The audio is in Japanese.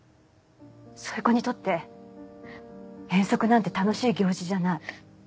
そういう子にとって遠足なんて楽しい行事じゃない。